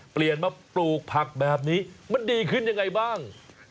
เปลี่ยนมาปลูกผักแบบนี้มันดีขึ้นยังไงบ้าง